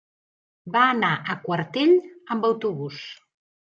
Va anar a Quartell amb autobús.